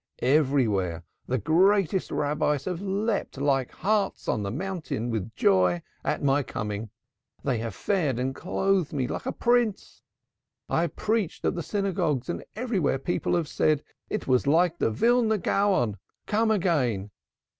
Everywhere the greatest Rabbis have leaped like harts on the mountains with joy at my coming. They have fed and clothed me like a prince. I have preached at the synagogues, and everywhere people have said it was like the Wilna Gaon come again.